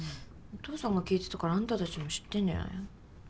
お父さんが聴いてたからあんたたちも知ってんじゃない？